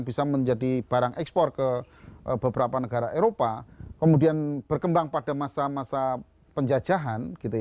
bisa menjadi barang ekspor ke beberapa negara eropa kemudian berkembang pada masa masa penjajahan